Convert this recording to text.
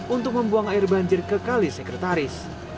untuk membuang air banjir ke kali sekretaris